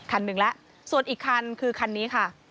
คันหนึ่งแล้วส่วนอีกคันคือคันนี้ค่ะ